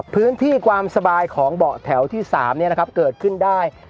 พื้นที่ความสบายของเบาะแถวที่๓เกิดขึ้นได้